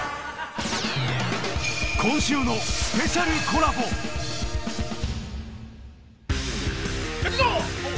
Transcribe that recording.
今週のスペシャルコラボいくぞ！